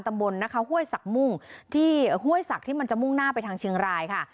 ตำบลนะคะห้วยสักมุ่งที่ห้วยศักดิ์ที่มันจะมุ่งหน้าไปทางเชียงรายค่ะ